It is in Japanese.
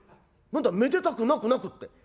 何だ『めでたくなくなく』って。